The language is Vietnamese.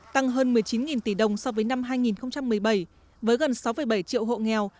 tăng hơn một mươi chín tỷ đồng so với năm hai nghìn một mươi bảy với gần sáu bảy triệu hộ nghèo